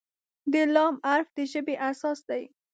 د "ل" حرف د ژبې اساس دی.